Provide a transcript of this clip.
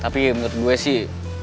tapi menurut gue sih